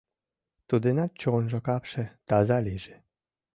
Тудынат чонжо-капше таза лийже.